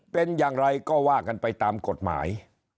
เป็นอย่างไรก็ว่ากันไปตามกฎหมาย